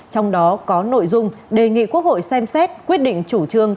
trong đó có nội dung đề nghị quốc hội xem xét quyết định chủ trương